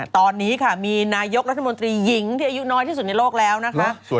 ตอนนี้ค่ะมีนายกรัฐมนตรีหญิงที่อายุน้อยที่สุดในโลกแล้วนะคะ